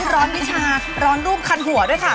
ร้อนวิชาร้อนรูปคันหัวด้วยค่ะ